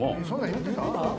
・言ってた？